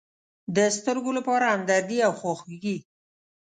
د سترگو لپاره همدردي او خواخوږي.